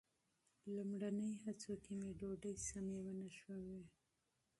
لومړني هڅو کې مې ډوډۍ سمې ونه شوې.